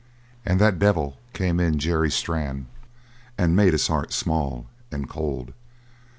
And that devil came in Jerry Strann and made his heart small and cold.